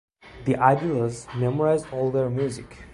The Idlers memorize all their music.